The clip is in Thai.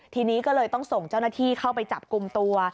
ทีนี้ก็เลยต้องส่งเจ้าหน้าที่เข้าไปจับกลุ่มตัว